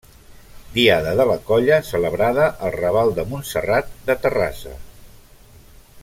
Diada de la Colla celebrada al Raval de Montserrat de Terrassa.